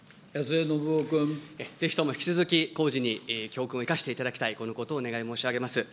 ぜひとも引き続き、こうじに教訓を生かしていただきたい、このことをお願い申し上げます。